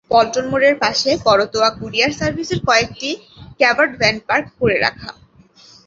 পল্টন মোড়ের পাশে করতোয়া কুরিয়ার সার্ভিসের কয়েকটি কাভার্ড ভ্যান পার্ক করে রাখা।